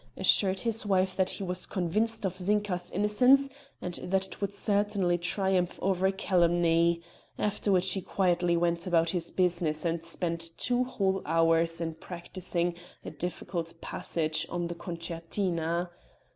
assured his wife that he was convinced of Zinka's innocence, and that it would certainly triumph over calumny; after which he quietly went about his business and spent two whole hours in practising a difficult passage on the concertina.